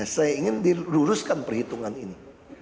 saya ingin diluruskan perhitungan ini